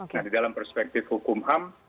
nah di dalam perspektif hukum ham